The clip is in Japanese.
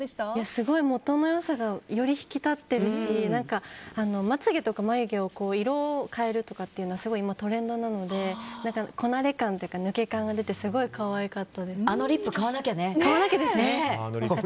すごいもとの良さがより引き立ってるしまつ毛とか眉毛を色を変えるとかっていうのはすごい今、トレンドなのでこなれ感というか抜け感が出てあのリップ買わなきゃね。